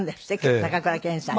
高倉健さんに。